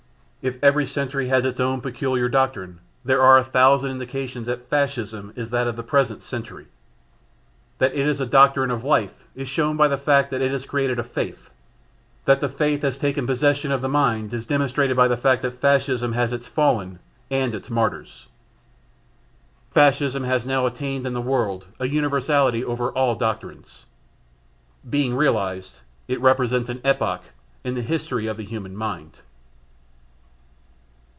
If every century has its own peculiar doctrine, there are a thousand indications that Fascism is that of the present century. That it is a doctrine of life is shown by the fact that it has created a faith; that the faith has taken possession of the mind is demonstrated by the fact that Fascism has had its Fallen and its martyrs. Fascism has now attained in the world an universality over all doctrines. Being realised, it represents an epoch in the history of the human mind.